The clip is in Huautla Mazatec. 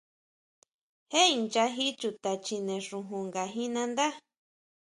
¿Jé inchají chuta chjine xujun ngajin nandá?